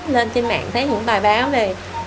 lên trên mạng thấy những bài báo về